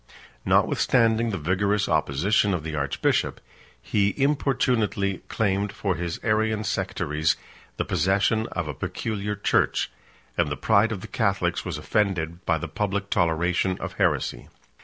Notwithstanding the vigorous opposition of the archbishop, he importunately claimed for his Arian sectaries the possession of a peculiar church; and the pride of the Catholics was offended by the public toleration of heresy.